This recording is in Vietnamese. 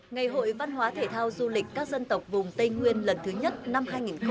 ngày hội văn hóa thể thao du lịch các dân tộc vùng tây nguyên lần thứ nhất năm hai nghìn hai mươi